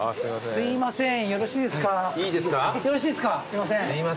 すいません。